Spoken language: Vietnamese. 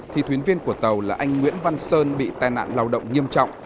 thì thuyền viên của tàu là anh nguyễn văn sơn bị tai nạn lao động nghiêm trọng